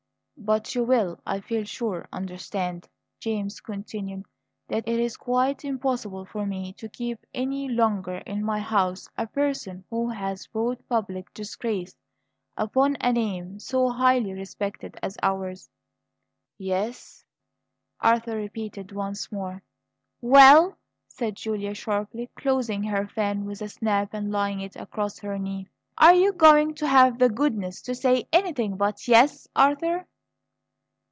"But you will, I feel sure, understand," James continued, "that it is quite impossible for me to keep any longer in my house a person who has brought public disgrace upon a name so highly respected as ours." "Yes?" Arthur repeated once more. "Well?" said Julia sharply, closing her fan with a snap and laying it across her knee. "Are you going to have the goodness to say anything but 'Yes,' Arthur?"